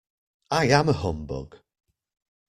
I am a humbug.